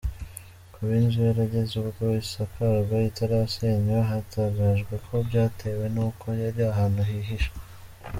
Kuba inzu yarageze ubwo isakarwa itarasenywa, hatangajwe ko byatewe n’uko yari ahantu hihishe.